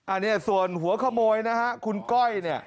อันนี้ส่วนหัวขโมยคุณก้อย